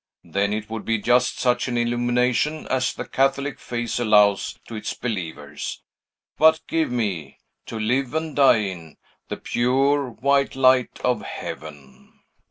Then, it would be just such an illumination as the Catholic faith allows to its believers. But, give me to live and die in the pure, white light of heaven!"